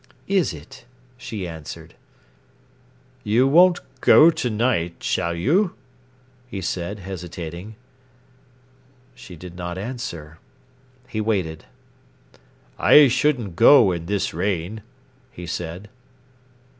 "Is it?" she answered. "You won't go to night, shall you?" he said, hesitating. She did not answer. He waited. "I shouldn't go in this rain," he said.